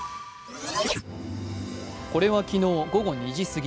これは昨日、午後２時過ぎ。